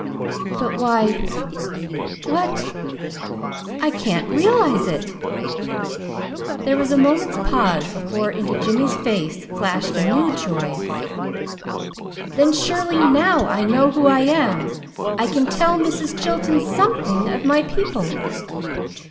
"But, why what I can't realize it!" There was a moment's pause before into Jimmy's face flashed a new joy. "Then, surely now I know who I am! I can tell Mrs. Chilton SOMETHING of my people."